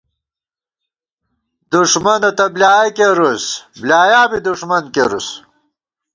دُݭمَنہ تہ بۡلیایَہ کېرُوس، بلایا بی دُݭمن کېرُوس